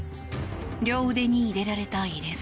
両腕に入れられた入れ墨。